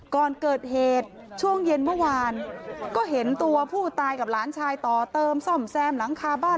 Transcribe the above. ก่อนเกิดเหตุช่วงเย็นเมื่อวานก็เห็นตัวผู้ตายกับหลานชายต่อเติมซ่อมแซมหลังคาบ้าน